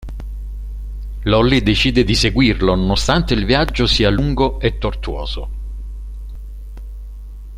Lolli decide di seguirlo nonostante il viaggio sia lungo e tortuoso.